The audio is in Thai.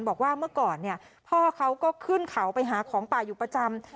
บอกว่าเมื่อก่อนเนี่ยพ่อเขาก็ขึ้นเขาไปหาของป่าอยู่ประจำ